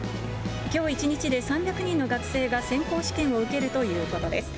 きょう一日で３００人の学生が選考試験を受けるということです。